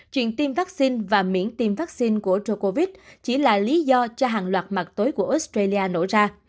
chuyện tiêm vaccine và miễn tiêm vaccine của ro covid chỉ là lý do cho hàng loạt mặt tối của australia nổ ra